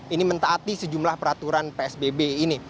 ini mentaati sejumlah peraturan psbb ini